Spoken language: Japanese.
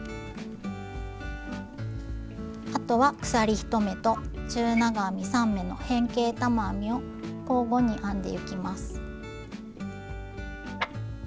あとは鎖１目と中長編み３目の変形玉編みを交互に編んでゆきます。